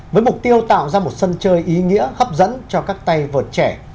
với mục tiêu tạo ra một sân chơi ý nghĩa hấp dẫn cho các tay vượt trẻ